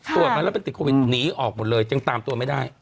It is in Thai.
ตรวจมาแล้วเป็นติดโควิดหนีออกหมดเลยยังตามตัวไม่ได้